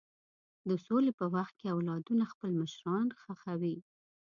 د سولې په وخت کې اولادونه خپل مشران ښخوي.